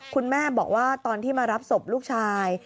คุณแม่บอกว่าตอนที่มารับศพลูกชาย